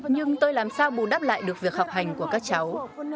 nhưng tôi làm sao bù đắp lại được việc học hành của các cháu